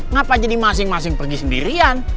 kenapa jadi masing masing pergi sendirian